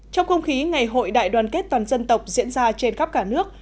trong không khí ngày hội đại đoàn kết toàn dân tộc diễn ra trên khắp cả nước